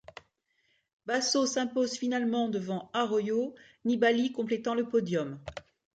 Basso s'impose finalement devant Arroyo, Nibali complétant le podium.